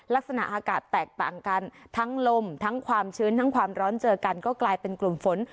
ลักษณะอากาศแตกต่างกันทั้งลมทั้งความชื้นทั้งความร้อนเจอกันก็กลายเป็นกลุ่มฝน